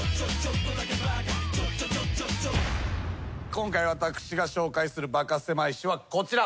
今回私が紹介するバカせまい史はこちら。